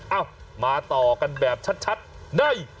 เอามาต่อกันแบบชัดใน